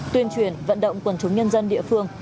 tuyên truyền vận động quần chúng nhân dân địa phương